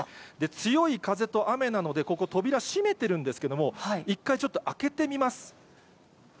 強い風と雨なので、ここ扉閉めてるんですけれども、一回、ちょっと開けてみます。